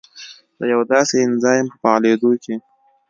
د یوه داسې انزایم په فعالېدو کې